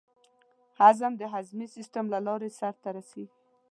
هضم د هضمي سیستم له لارې سر ته رسېږي.